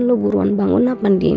lu buruan bangun apa din